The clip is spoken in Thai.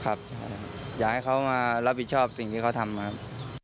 อยากให้เขามารับผิดชอบสิ่งที่เขาทำครับ